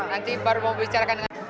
nanti baru mau bicara